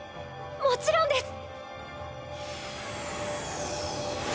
もちろんです！